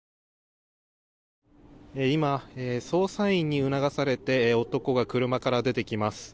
今、捜査員に促されて男が車から出てきます。